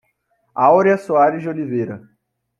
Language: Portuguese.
Aurea Soares de Oliveira